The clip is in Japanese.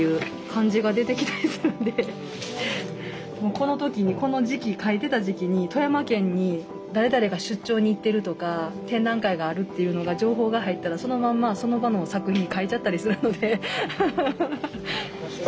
この時にこの時期描いてた時期に富山県に誰々が出張に行ってるとか展覧会があるっていうのが情報が入ったらそのまんまその場の作品に描いちゃったりするので。